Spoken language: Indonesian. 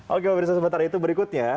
oke pemirsa sementara itu berikutnya